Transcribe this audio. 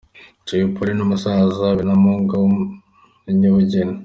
Jay Polly n'umusaza Epa Binamungu w'umunyabugeni.